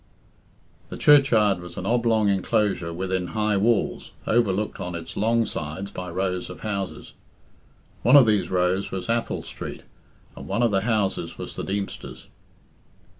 The churchyard was an oblong enclosure within high walls, overlooked on its long sides by rows of houses. One of these rows was Athol Street, and one of the houses was the Deemster's.